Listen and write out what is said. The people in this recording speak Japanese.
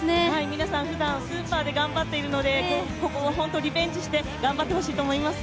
皆さんふだんスーパーで頑張っているのでここを本当にリベンジして頑張ってほしいです。